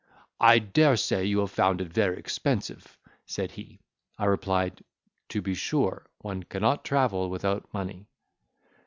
"I dare say you have found it very expensive," said he. I replied, "To be sure, one cannot travel without money."